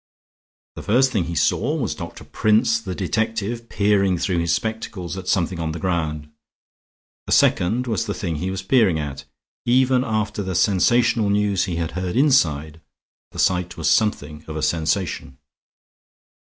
The first thing he saw was Doctor Prince, the detective, peering through his spectacles at something on the ground; the second was the thing he was peering at. Even after the sensational news he had heard inside, the sight was something of a sensation.